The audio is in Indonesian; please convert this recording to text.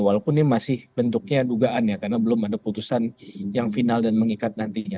walaupun ini masih bentuknya dugaan ya karena belum ada putusan yang final dan mengikat nantinya